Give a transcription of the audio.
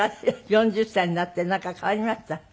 ４０歳になってなんか変わりました？